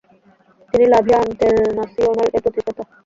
তিনি লা ভি আঁন্তেরনাসিওনাল-এর প্রতিষ্ঠাতা।